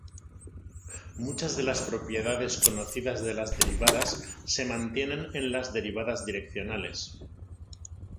Muchas de las propiedades conocidas de las derivadas se mantienen en las derivadas direccionales.